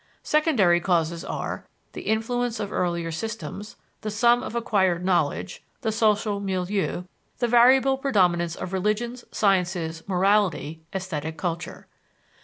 Secondary causes are: the influence of earlier systems, the sum of acquired knowledge, the social milieu, the variable predominance of religions, sciences, morality, esthetic culture.